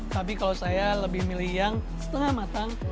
tapi kalau saya lebih milih yang setengah matang